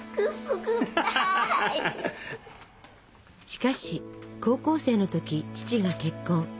しかし高校生の時父が結婚。